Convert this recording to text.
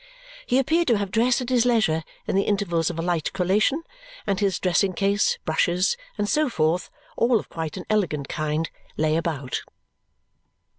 He appeared to have dressed at his leisure in the intervals of a light collation, and his dressing case, brushes, and so forth, all of quite an elegant kind, lay about.